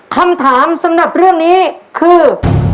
คำถามสำหรับเรื่องนี้คือ